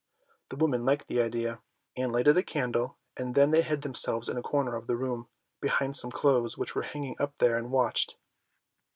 The woman liked the idea, and lighted a candle, and then they hid themselves in a corner of the room, behind some clothes which were hanging up there, and watched.